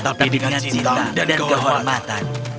tapi dengan cinta dan kehormatan